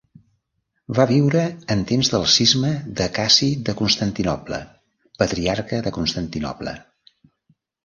Va viure en temps del cisma d'Acaci de Constantinoble, Patriarca de Constantinoble.